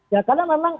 ya karena memang